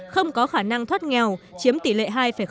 không có khả năng thoát nghèo chiếm tỷ lệ hai tám